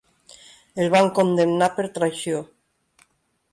El van condemnar per traïció.